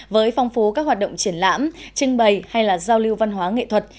với phong phú các hoạt động triển lãm trưng bày hay là giao lưu văn hóa nghệ thuật